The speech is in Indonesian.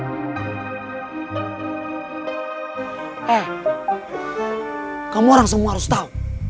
eh kamu orang semua harus tahu